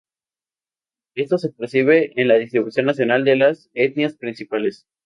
Esto se percibe en la distribución nacional de las etnias principales.